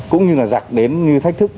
cũng như là giặc đến như thách thức